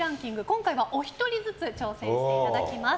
今回はお一人ずつ挑戦していただきます。